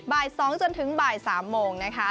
บ่าย๒จนถึงบ่าย๓โมงนะคะ